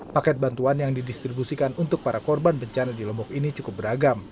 paket bantuan yang didistribusikan untuk para korban bencana di lombok ini cukup beragam